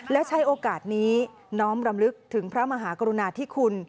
และใช้โอกาสนี้น้อมรำลึกถึงพระมหากรุณาธิคุณ